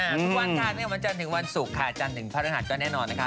ทุกวันค่ะวันจันทร์ถึงวันศุกร์ค่ะจันทร์ถึงพระฤหัสก็แน่นอนนะคะ